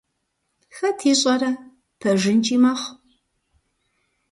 Хэт ищӀэрэ, пэжынкӀи мэхъу…